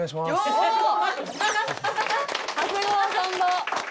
長谷川さんだ！